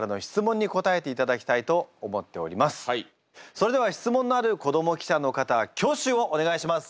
それでは質問のある子ども記者の方は挙手をお願いします。